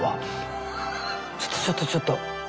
ちょっとちょっとちょっと。